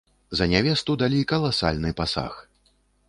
За нявесту далі каласальны пасаг.